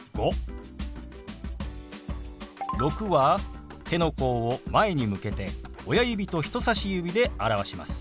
「６」は手の甲を前に向けて親指と人さし指で表します。